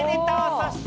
そして！